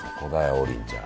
王林ちゃん。